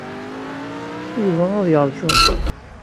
Yuba ad yeṛǧu.